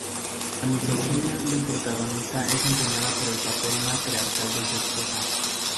La misoginia del protagonista es empañada por el papel matriarcal de su esposa.